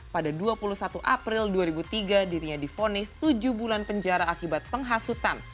pada dua puluh satu april dua ribu tiga dirinya difonis tujuh bulan penjara akibat penghasutan